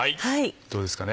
どうですかね。